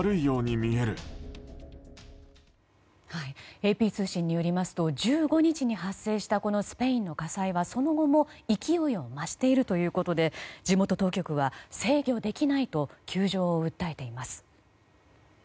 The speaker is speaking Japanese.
ＡＰ通信によりますと１５日に発生したスペインの火災はその後も勢いを増しているということで地元当局は制御できないと窮状を訴えています。